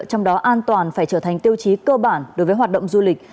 trong đó an toàn phải trở thành tiêu chí cơ bản đối với hoạt động du lịch